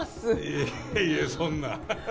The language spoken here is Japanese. いえいえそんなははっ。